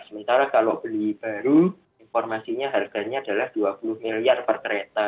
sementara kalau beli baru informasinya harganya adalah dua puluh miliar per kereta